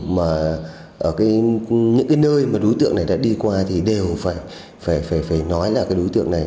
mà những cái nơi mà đối tượng này đã đi qua thì đều phải nói là cái đối tượng này